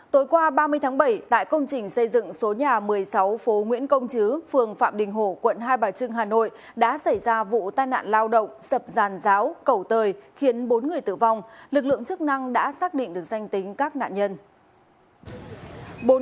tối qua ba mươi tháng bảy tại công trình xây dựng số nhà một mươi sáu phố nguyễn công chứ phường phạm đình hổ quận hai bà trưng hà nội đã xảy ra vụ tai nạn lao động sập giàn giáo cầu tời khiến bốn người tử vong lực lượng chức năng đã xác định được danh tính các nạn nhân